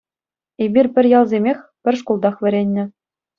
Эпир пӗр ялсемех, пӗр шкултах вӗреннӗ.